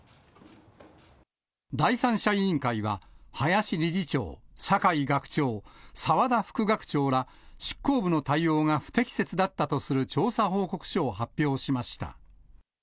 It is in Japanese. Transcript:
第三者委員会は、林理事長、酒井学長、澤田副学長ら執行部の対応が不適切だったとする調査報告書を発表しました。